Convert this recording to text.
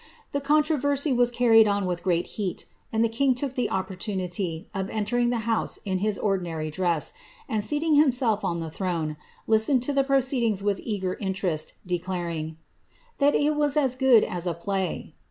The controversy was carried on with great heat, and the king took the opportunity of enteiing the house in his ordinary dress, and, seating himself on the throne, listened to the proceedings v^ith eager interest, declaring, ^ that it was as good as a play."